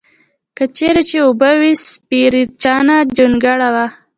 هر چېرې چې اوبه وې سپېرچنه جونګړه وه.